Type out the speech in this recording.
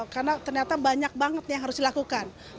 karena ternyata banyak banget yang harus dilakukan